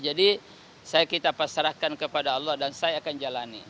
jadi saya kita pasrahkan kepada allah dan saya akan jalani